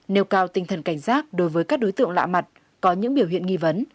nêu cao tinh thần cảnh giác đối với các đối tượng lạ mặt có những biểu hiện nghi vấn